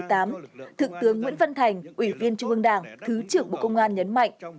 thượng tướng nguyễn văn thành ủy viên trung ương đảng thứ trưởng bộ công an nhấn mạnh